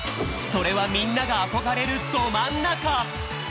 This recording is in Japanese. それはみんながあこがれるどまんなか！